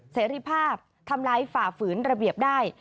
เสรีภาพทำร้ายฝ่าฝืนระเบียบได้